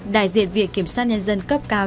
đại diện viện kiểm soát nhân dân cấp cao